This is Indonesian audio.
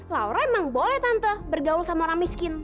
laura emang boleh tante bergaul sama orang miskin